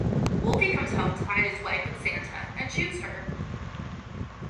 Wolfy comes home to find his wife with Santa, and shoots her.